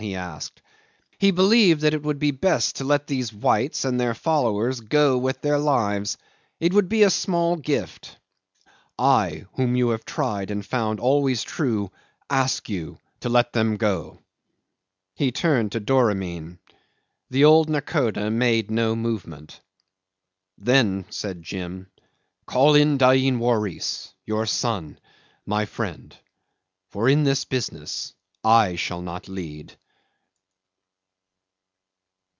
he asked. He believed that it would be best to let these whites and their followers go with their lives. It would be a small gift. "I whom you have tried and found always true ask you to let them go." He turned to Doramin. The old nakhoda made no movement. "Then," said Jim, "call in Dain Waris, your son, my friend, for in this business I shall not lead."